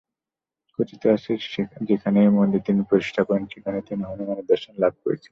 কথিত আছে, যেখানে এই মন্দিরটি তিনি প্রতিষ্ঠা করেন, সেখানেই তিনি হনুমানের দর্শন লাভ করেছিলেন।